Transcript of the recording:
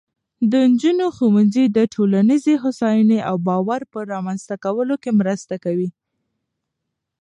د نجونو ښوونځی د ټولنیزې هوساینې او باور په رامینځته کولو کې مرسته کوي.